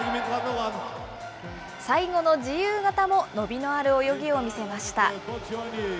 最後の自由形も伸びのある泳ぎを見せました。